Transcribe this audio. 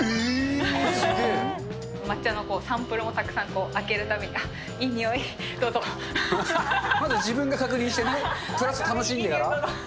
抹茶のサンプルをたくさん開けるたびに、いい匂い、あっ、まず自分が確認してね、プラス楽しんでから。